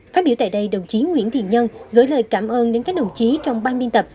phát biểu tại đây đồng chí nguyễn thiện nhân gửi lời cảm ơn đến các đồng chí trong ban biên tập